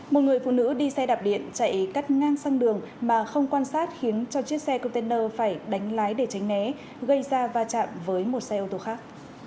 một người phụ nữ đi xe đạp điện chạy cắt ngang sang đường mà không quan sát khiến cho chiếc xe container phải đánh lái để tránh né gây ra va chạm với một xe ô tô khác